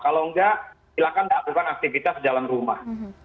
kalau enggak silahkan lakukan aktivitas jalan rumah